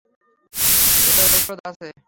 এটার ঔষধ আছে।